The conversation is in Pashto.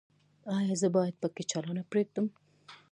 ایا زه باید پکۍ چالانه پریږدم؟